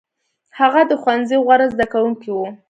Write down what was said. هغه د ښوونځي غوره زده کوونکی و.